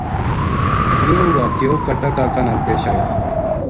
یو ہ واقعو کٹا کاکا نال پیش آیو